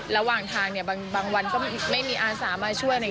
ระหว่างทางเนี่ยบางวันก็ไม่มีอาสามาช่วย